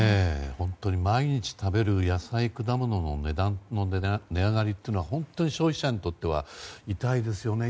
本当に毎日食べる野菜、果物の値上がりというのは本当に消費者にとっては痛いですよね。